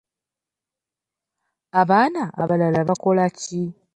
Abaana abalala bakolaki?